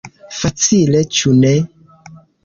Facile, ĉu ne?